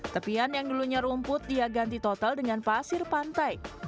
tepian yang dulunya rumput dia ganti total dengan pasir pantai